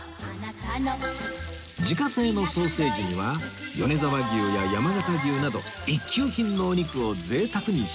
自家製のソーセージには米沢牛や山形牛など一級品のお肉を贅沢に使用